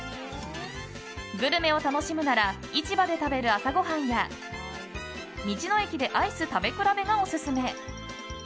グルメを楽しむなら市場で食べる朝ごはんや道の駅でアイス食べ比べがオススメ。